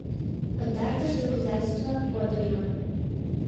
Пытартыш доказательство, фото йомын.